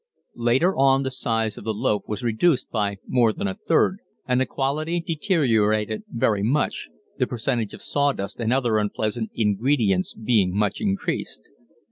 Later on, the size of the loaf was reduced by more than a third and the quality deteriorated very much, the percentage of sawdust and other unpleasant ingredients being much increased.